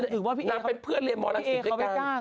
เห็นต่อไปเป็นเพื่อนเรียนมรสนตรีด้วยกัน